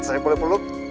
saya boleh peluk